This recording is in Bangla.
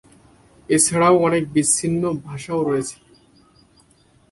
এছাড়াও অনেক বিচ্ছিন্ন ভাষাও রয়েছে।